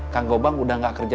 kang gobang udah gak kerja